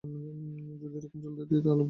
যদি এরকম চলতে দিই, আরও ভুল হবে।